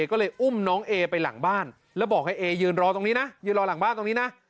ก็เลยอุ้มน้องเอไปหลังบ้านแล้วบอกให้เอยืนรอตรงนี้นะยืนรอหลังบ้านตรงนี้นะ